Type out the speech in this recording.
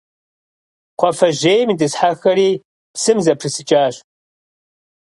Кхъуафэжьейм итӏысхьэхэри псым зэпрысыкӏащ.